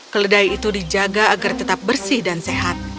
keledai itu dijaga agar tetap bersih dan sehat